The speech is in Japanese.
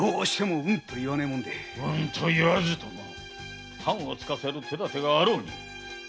ウンと言わずとも判をつかせる手だてはあろうに。